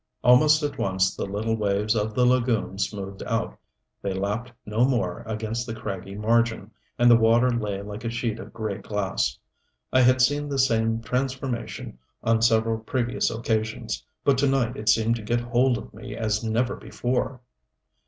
Almost at once the little waves of the lagoon smoothed out, they lapped no more against the craggy margin, and the water lay like a sheet of gray glass. I had seen the same transformation on several previous occasions, but to night it seemed to get hold of me as never before.